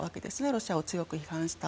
ロシアを強く批判して。